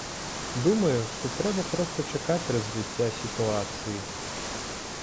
Думаю, што трэба проста чакаць развіцця сітуацыі.